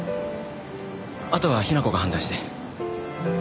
あとは雛子が判断して。